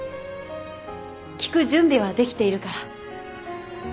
聴く準備はできているから。